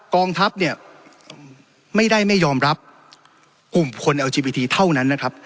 กองทัพเนี่ยไม่ได้ไม่ยอมรับกลุ่มคนเอลจีบีทีเท่านั้นนะครับ